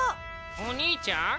お兄ちゃん？